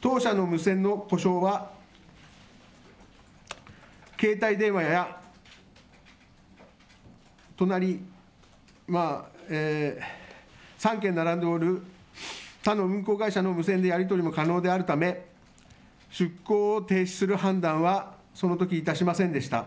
当社の無線の故障は、携帯電話や、隣３軒並んでおる、他の運航会社の無線でやり取りも可能であるため、出航を停止する判断はそのときいたしませんでした。